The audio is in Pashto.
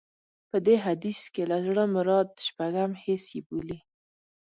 په دې حديث کې له زړه مراد شپږم حس يې بولي.